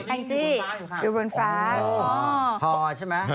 แองจี้อยู่บนฟ้าพอใช่ไหม